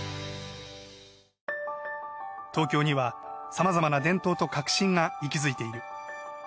東京にはさまざまな伝統と革新が息づいている。